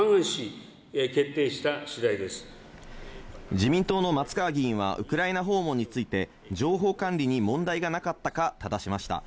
自民党の松川議員はウクライナ訪問について、情報管理に問題がなかったか、質しました。